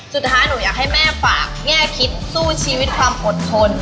สุดท้ายหนูอยากให้แม่ฝากแง่คิดสู้ชีวิตความอดทน